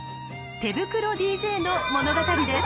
手袋ＤＪの物語です。